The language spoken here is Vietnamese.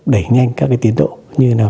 đẩy nhanh các tiến độ như là